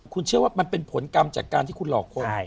คุณเชื่อว่ามันเป็นผลกรรมจากการที่คุณหลอกคน